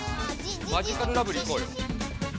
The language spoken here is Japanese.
「マヂカルラブリー」いこうよ。